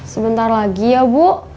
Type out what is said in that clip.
sebentar lagi ya bu